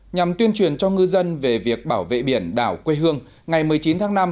nhằm tuyên truyền cho ngư dân về việc bảo vệ biển đảo quê hương ngày một mươi chín tháng năm